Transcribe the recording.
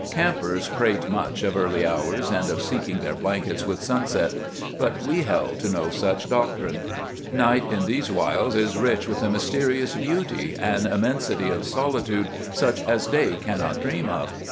Campers prate much of early hours, and of seeking their blankets with sunset; but we held to no such doctrine. Night in these wilds is rich with a mysterious beauty, an immensity of solitude such as day cannot dream of.